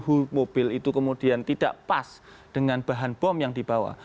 kalau kemudian panas mobil suhu mobil itu kemudian tidak pas dengan bahan bom yang dibawa